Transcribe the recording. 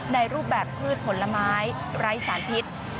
รูปแบบพืชผลไม้ไร้สารพิษ